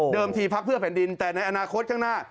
ทีพักเพื่อแผ่นดินแต่ในอนาคตข้างหน้า